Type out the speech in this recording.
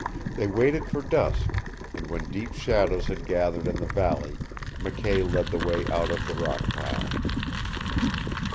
They waited for dusk, and when deep shadows had gathered in the valley McKay led the way out of the rock pile.